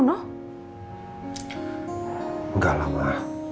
enggak lah ma